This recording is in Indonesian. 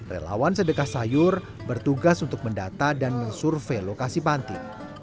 relawan sedekah sayur bertugas untuk mendata dan mensurvey lokasi panti